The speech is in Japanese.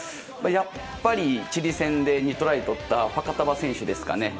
やっぱり、チリ戦で２トライ取ったファカタヴァ選手ですかね。